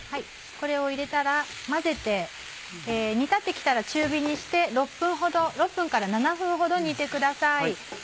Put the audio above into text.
これを入れたら混ぜて煮立って来たら中火にして６分から７分ほど煮てください。